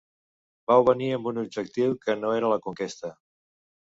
Vau venir amb un objectiu que no era la conquesta.